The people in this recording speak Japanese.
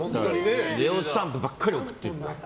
レオスタンプばっかり送ってる。